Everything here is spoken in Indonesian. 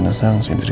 lo suka yang subs